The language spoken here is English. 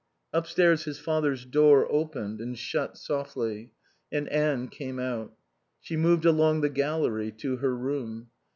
Upstairs his father's door opened and shut softly and Anne came out. She moved along the gallery to her room.